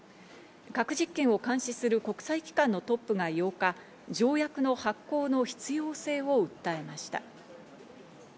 核実験を監視する国際機関のトップが８日、条約の発効の必要性を訴えました。